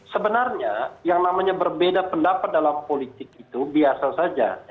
sebenarnya yang namanya berbeda pendapat dalam politik itu biasa saja